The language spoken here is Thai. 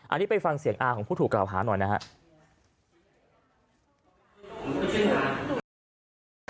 อันนี้ไปฟังเสียงอ้าของผู้ถูกกระวะหาหน่อยนะฮะ